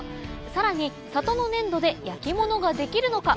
さらに里の粘土で焼き物ができるのか？